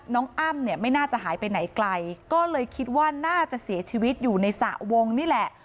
อ้ำเนี่ยไม่น่าจะหายไปไหนไกลก็เลยคิดว่าน่าจะเสียชีวิตอยู่ในสระวงนี่แหละ